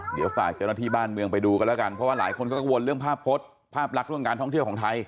เดี๋ยวฝากเจ้าหน้าที่บ้านเมืองไปดูกันแล้วกันเพราะว่าหลายคนก็กังวลเรื่องภาพพจน์ภาพลักษณ์เรื่องการท่องเที่ยวของไทย